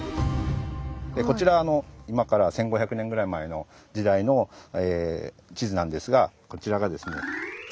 こちら今から１，５００年ぐらい前の時代の地図なんですがこちらがですね